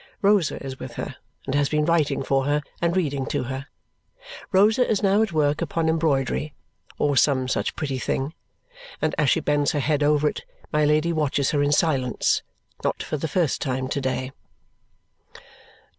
Rosa is with her and has been writing for her and reading to her. Rosa is now at work upon embroidery or some such pretty thing, and as she bends her head over it, my Lady watches her in silence. Not for the first time to day.